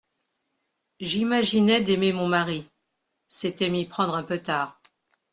J'imaginai d'aimer mon mari ; c'était m'y prendre un peu tard.